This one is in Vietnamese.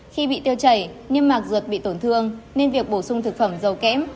khi bị tiêu chảy nhưng mạc ruột bị tổn thương nên việc bổ sung thực phẩm dầu kém